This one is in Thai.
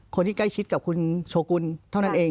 คนที่ใกล้ชิดกับคุณโชกุลเท่านั้นเอง